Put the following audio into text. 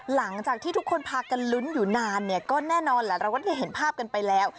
หลังจากที่ทุกคนพากันลุ้นอยู่นานเนี่ยก็แน่นอนแหละเราก็ได้เห็นภาพกันไปแล้ว